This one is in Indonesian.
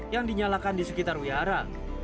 yang dinyalakan di sekitar wihara